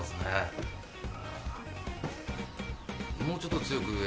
もうちょっと強く